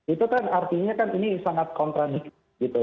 itu kan artinya kan ini sangat kontradiktif gitu